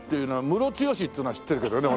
ムロツヨシっていうのは知ってるけどね。